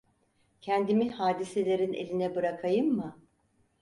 Kendimi hadiselerin eline bırakayım mı?